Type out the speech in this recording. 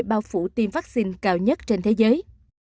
bao phủ tiêm vaccine cao nhất trên thế giới